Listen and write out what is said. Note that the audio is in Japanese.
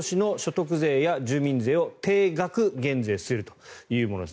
翌年の所得税や住民税を定額減税するというものです。